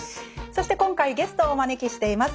そして今回ゲストをお招きしています。